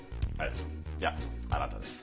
じゃああなたです。